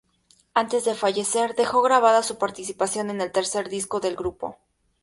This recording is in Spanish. Antes de fallecer dejó grabada su participación en el tercer disco del grupo.